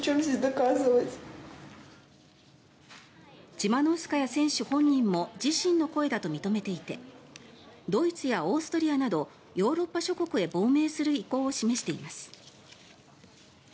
チマノウスカヤ選手本人も自身の声だと認めていてドイツやオーストリアなどヨーロッパ諸国へ亡命する意向を示しています。